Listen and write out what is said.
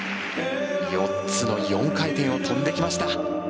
４つの４回転を跳んできました。